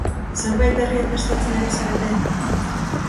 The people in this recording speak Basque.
Zerbait berria prestatzen ari zarete?